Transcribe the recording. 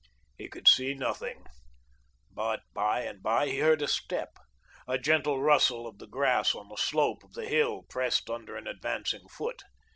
He could see nothing, but, by and by, he heard a step, a gentle rustle of the grass on the slope of the hill pressed under an advancing foot.